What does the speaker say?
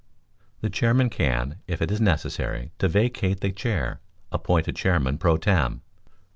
The chairman can, if it is necessary to vacate the chair, appoint a chairman pro tem.